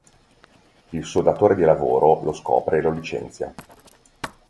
Il suo datore di lavoro lo scopre e lo licenzia.